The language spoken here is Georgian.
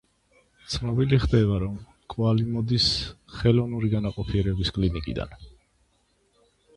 ცნობილი ხდება, რომ კვალი მოდის ხელოვნური განაყოფიერების კლინიკიდან.